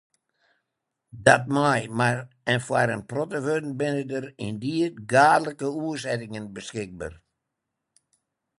Dat mei, en foar in protte wurden binne der yndied gaadlike oersettingen beskikber.